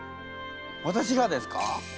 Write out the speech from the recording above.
私がですか！？